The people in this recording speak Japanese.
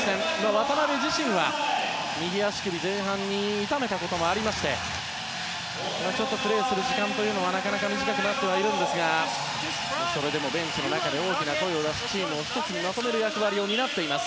渡邊自身は、右足首を前半に痛めたこともありましてちょっとプレーする時間は短くなっていますがそれでもベンチの中で大きな声を出しチームを１つにまとめる役割を担っています。